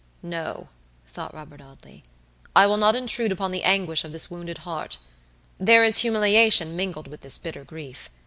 "No," thought Robert Audley, "I will not intrude upon the anguish of this wounded heart. There is humiliation mingled with this bitter grief.